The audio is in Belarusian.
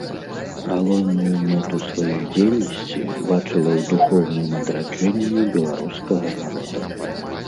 Галоўную мэту сваёй дзейнасці бачыла ў духоўным адраджэнні беларускага народа.